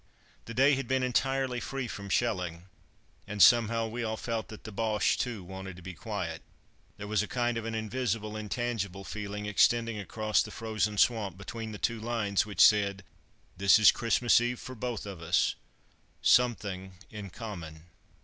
The day had been entirely free from shelling, and somehow we all felt that the Boches, too, wanted to be quiet. There was a kind of an invisible, intangible feeling extending across the frozen swamp between the two lines, which said "This is Christmas Eve for both of us something in common."